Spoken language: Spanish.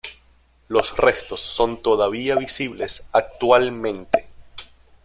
Los restos son todavía visibles actualmente.